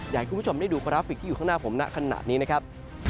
อยากให้คุณผู้ชมได้ดูกราฟิกที่อยู่ข้างหน้าผมณขณะนี้นะครับ